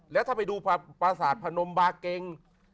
แล้วถ้าไปดูประสาทพนมบาเกง